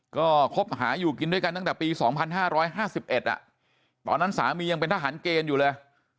ก็คบหาอยู่กินด้วยกันตั้งแต่ปี๒๕๕๑ตอนนั้นสามียังเป็นทหารเกณฑ์อยู่เลย